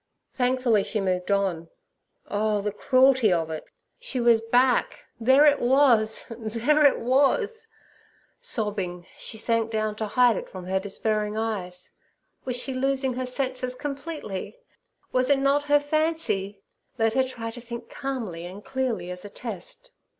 Thankfully she moved on. Oh the cruelty of it! She was back—there it was! there it was! Sobbing, she sank down to hide it from her despairing eyes. Was she losing her senses completely? Was it not her fancy? Let her try to think calmly and clearly as a test.